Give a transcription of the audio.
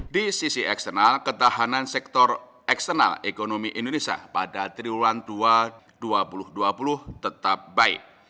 di sisi eksternal ketahanan sektor eksternal ekonomi indonesia pada triwulan dua ribu dua puluh tetap baik